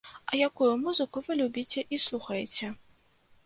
А якую музыку вы любіце і слухаеце?